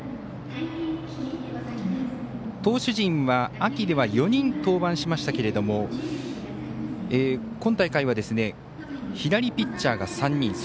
投手陣は秋では４人登板しましたけれども今大会は左ピッチャーが３人。